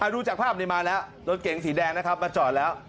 ดูจากภาพนี้มาแล้วรถเก๋งสีแดงนะครับมาจอดแล้ว